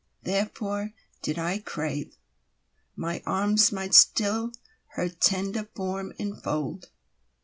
therefore did I craveMy arms might still her tender form enfold.